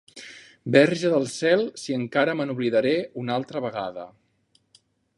Verge del cel, si encara me n'oblidaré una altra vegada.